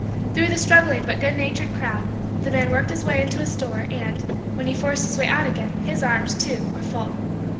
Through the struggling but good natured crowd, the man worked his way into a store and, when he forced his way out again, his arms, too, were full.